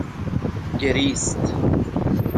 گریست